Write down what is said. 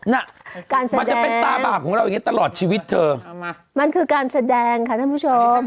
น่ะการแสดงมันจะเป็นตาบาปของเราอย่างเงี้ตลอดชีวิตเธอมันคือการแสดงค่ะท่านผู้ชม